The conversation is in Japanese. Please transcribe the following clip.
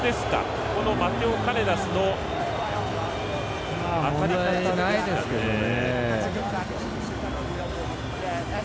このマテオ・カレラスの当たり方ですかね。